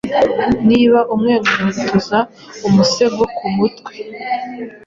Niba umwegutuza umusego kumutwe